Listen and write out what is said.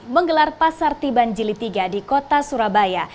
menggelar pasar tiban jili tiga di kota surabaya